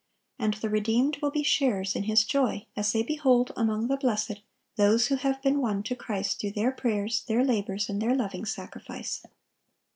And the redeemed will be sharers in His joy, as they behold, among the blessed, those who have been won to Christ through their prayers, their labors, and their loving sacrifice.